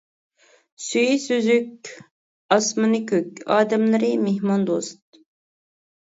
سۈيى سۈزۈك، ئاسمىنى كۆك، ئادەملىرى مېھماندوست.